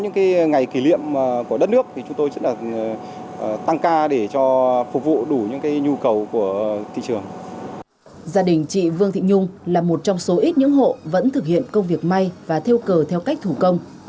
gia đình chị vương thị nhung là một trong số ít những hộ vẫn thực hiện công việc may và theo cờ theo cách thủ công